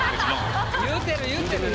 言うてる言うてる。